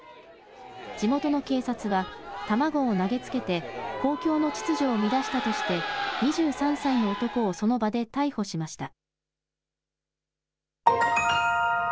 地元の警察は卵を投げつけて公共の秩序を乱したとして２３歳の男をその場で逮捕しました。